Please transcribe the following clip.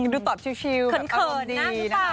ดูตอบชิวอารมณ์ดีนะครับ